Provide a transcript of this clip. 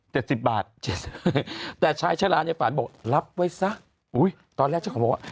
สิบบาทเจ็ดแต่ชายชะลาในฝันบอกรับไว้ซะอุ้ยตอนแรกเจ้าของบอกว่า